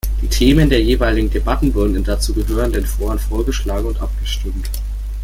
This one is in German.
Die Themen der jeweiligen Debatten wurden in dazugehörenden Foren vorgeschlagen und abgestimmt.